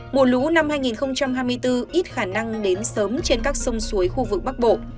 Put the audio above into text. mùa lũ năm hai nghìn hai mươi bốn ít khả năng đến sớm trên các sông suối khu vực bắc bộ